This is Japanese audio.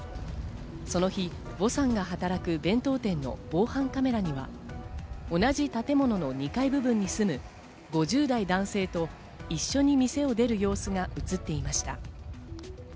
その日、ヴォさんが働く弁当店の防犯カメラには同じ建物の２階部分に住む５０代男性と一緒に店を出る様子が映っていました。